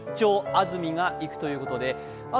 安住が行く！」ということで「出張！